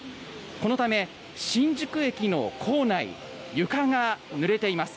このため新宿駅の構内、床がぬれています。